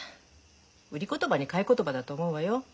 売り言葉に買い言葉だと思うわよ。